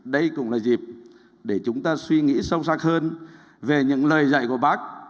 đây cũng là dịp để chúng ta suy nghĩ sâu sắc hơn về những lời dạy của bác